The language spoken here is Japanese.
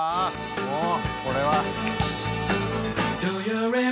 もうこれは。